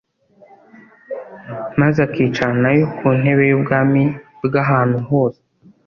maze akicarana na yo ku ntebe y'ubwami bw' ahantu hose,